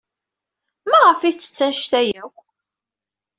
Maɣef ay yettess anect-a akk?